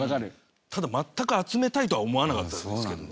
ただ全く集めたいとは思わなかったですけどね。